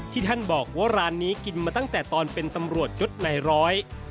ท่านบอกว่าร้านนี้กินมาตั้งแต่ตอนเป็นตำรวจยดในร้อย